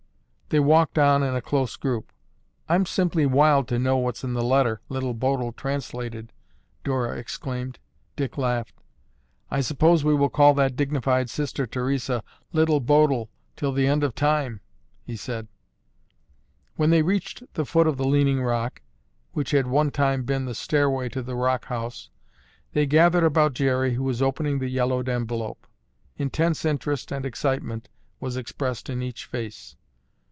They walked on in a close group. "I'm simply wild to know what's in the letter Little Bodil translated," Dora exclaimed. Dick laughed. "I suppose we will call that dignified Sister Theresa 'Little Bodil' till the end of time," he said. When they reached the foot of the leaning rock, which had one time been the stairway to the rock house, they gathered about Jerry who was opening the yellowed envelope. Intense interest and excitement was expressed in each face.